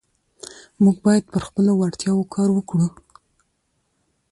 موږ باید پر خپلو وړتیاوو کار وکړو